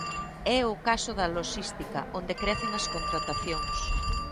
É o caso da loxística, onde crecen as contratacións.